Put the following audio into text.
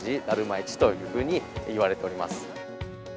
市というふうにいわれております。